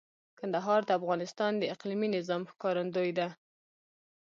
کندهار د افغانستان د اقلیمي نظام ښکارندوی ده.